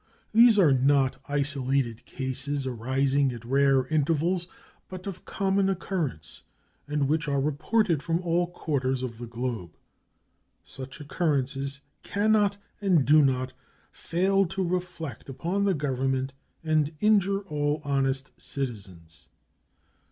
These are not isolated cases, arising at rare intervals, but of common occurrence, and which are reported from all quarters of the globe. Such occurrences can not, and do not, fail to reflect upon the Government and injure all honest citizens.